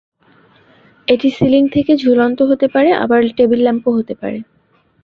এটি সিলিং থেকে ঝুলন্ত হতে পারে, আবার টেবিল ল্যাম্পও হতে পারে।